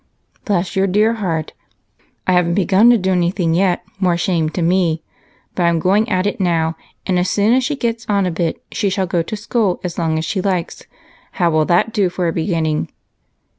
" Bless your dear heart, I have n't begun to do any thing yet, more shame to me ! But I,'m going at it now, and as soon as she gets on a bit, she shall go to school as long as she likes. How will that do for a beginning